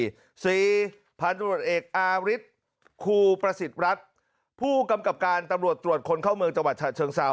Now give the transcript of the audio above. ๔พันธุ์บังคับการศูนย์อาริสครูประสิทธิ์รักษ์ผู้กำกับการตำรวจตรวจคนเข้าเมืองจังหวัดเชิงเศร้า